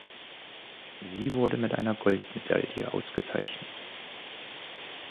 Sie wurde mit einer Goldmedaille ausgezeichnet.